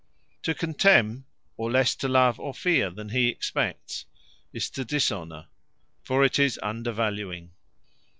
To contemne, or lesse to love or feare then he expects, is to Dishonour; for 'tis undervaluing.